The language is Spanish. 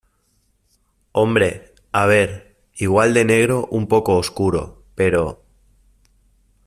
hombre, a ver , igual de negro un poco oscuro , pero...